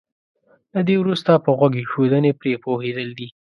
له دې وروسته په غوږ ايښودنې پرې پوهېدل دي.